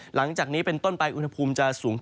หลังจากนี้เป็นต้นไปอุณหภูมิจะสูงขึ้น